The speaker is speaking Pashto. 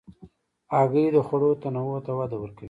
هګۍ د خوړو تنوع ته وده ورکوي.